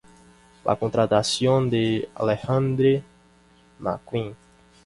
La contratación de Alexander McQueen.